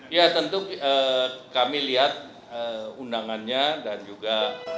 ya tentu kami lihat undangannya dan juga